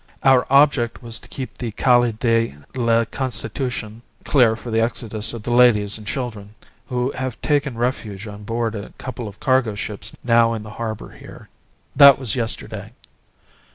Our object was to keep the Calle de la Constitucion clear for the exodus of the ladies and children, who have taken refuge on board a couple of cargo ships now in the harbour here. That was yesterday.